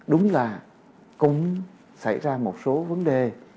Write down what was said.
đúng là cũng xảy ra một số vấn đề